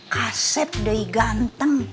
kaset deh ganteng